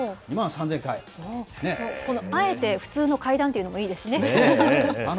あえて普通の階段というのもいいですね。